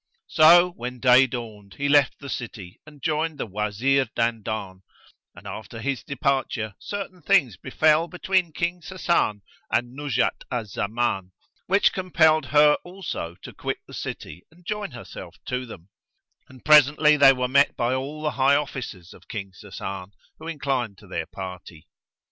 So, when day dawned he left the city and joined the Wazir Dandan, and after his departure, certain things befel between King Sasan and Nuzhat al Zaman, which compelled her also to quit the city and join herself to them; and presently they were met by all the high officers of King Sasan who inclined to their party.